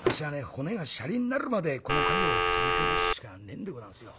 骨が舎利になるまでこの稼業を続けるしかねえんござんすよ。